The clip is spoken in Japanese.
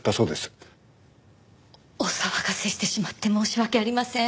お騒がせしてしまって申し訳ありません。